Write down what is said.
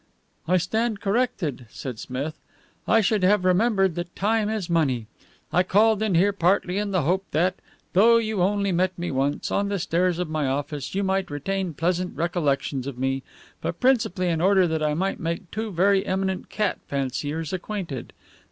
"I stand corrected," said Smith; "I should have remembered that time is money. I called in here partly in the hope that, though you only met me once on the stairs of my office, you might retain pleasant recollections of me, but principally in order that I might make two very eminent cat fanciers acquainted.